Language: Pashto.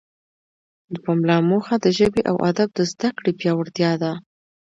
د پملا موخه د ژبې او ادب د زده کړې پیاوړتیا ده.